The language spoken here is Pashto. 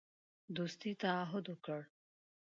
دوستی تعهد وکړ.